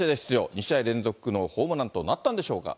２試合連続のホームランとなったんでしょうか。